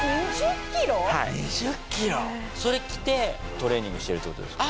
それ着てトレーニングしてるって事ですか？